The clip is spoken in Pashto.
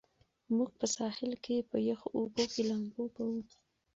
موږ په ساحل کې په یخو اوبو کې لامبو کوو.